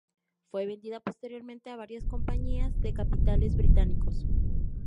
Fue vendida posteriormente a varias compañías de capitales británicos.